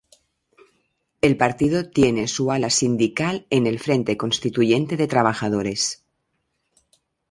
El partido tiene su ala sindical en el "Frente Constituyente de Trabajadores".